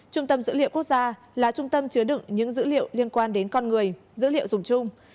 trung tâm dữ liệu quốc gia là trung tâm chứa đựng những dữ liệu liên quan đến con người dữ liệu dùng chung